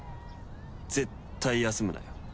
絶対休むなよ。